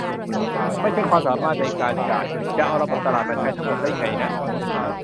ไม่ใช่ความสามารถในการจ่าย จะเอาระบบตลาดมาใช้ทั้งหมดได้ไงนะ